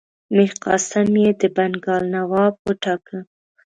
میرقاسم یې د بنګال نواب وټاکه.